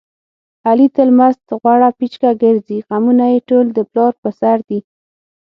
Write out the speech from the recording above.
علي تل مست غوړه پیچکه ګرځي. غمونه یې ټول د پلار په سر دي.